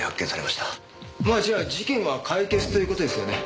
まあじゃあ事件は解決という事ですよね？